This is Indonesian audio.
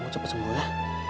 kamu cepat semua ya